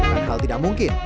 dengan hal tidak mungkin